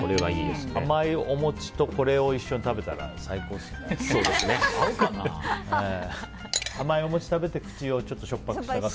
甘いお餅とこれを一緒に食べたら合うかな。